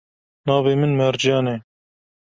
Navê min Mercan e.